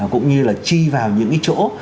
cũng như là chi vào những cái chỗ